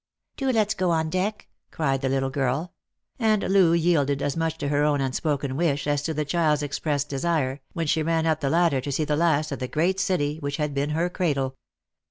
" Do let's go on deck," cried the little girl ; and Loo yielded as much to her own unspoken wish as to the child's expressed desire, when she ran up the ladder to see the last of the great city which had been her eradle.